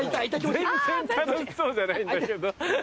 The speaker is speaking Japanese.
全然楽しそうじゃないんだけど。